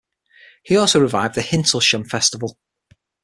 He also revived the Hintlesham Festival.